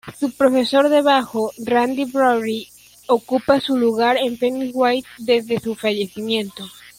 Su profesor de bajo, Randy Bradbury, ocupa su lugar en Pennywise desde su fallecimiento.